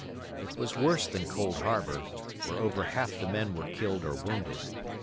It was worse than Cold Harbor, where over half the men were killed or wounded.